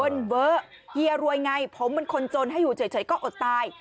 เว้อเฮียรวยไงผมเป็นคนจนให้อยู่เฉยก็อดตาย